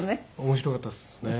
面白かったですね。